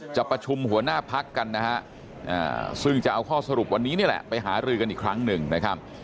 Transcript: จะประชุมหัวหน้าพักกันนะฮะซึ่งจะเอาข้อสรุปวันนี้นี่แหละไปหารือกันอีกครั้งหนึ่งนะครับ